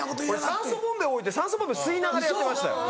酸素ボンベ置いて酸素ボンベ吸いながらやってましたよ。